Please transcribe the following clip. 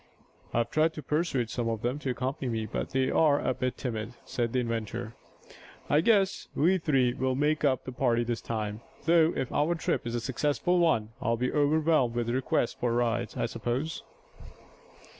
"I've tried to pursuade some of them to accompany me, but they are a bit timid," said the inventor. "I guess we three will make up the party this time, though if our trip is a successful one I'll be overwhelmed with requests for rides, I suppose."